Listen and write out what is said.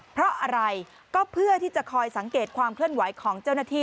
เพราะอะไรก็เพื่อที่จะคอยสังเกตความเคลื่อนไหวของเจ้าหน้าที่